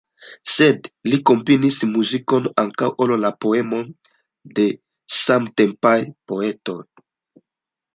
Sed li komponis muzikon ankaŭ al la poemoj de samtempaj poetoj.